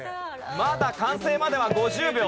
まだ完成までは５０秒。